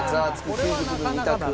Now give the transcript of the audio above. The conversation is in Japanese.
究極の２択。